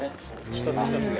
「一つ一つが」